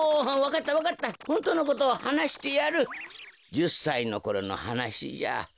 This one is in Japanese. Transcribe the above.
１０さいのころのはなしじゃ。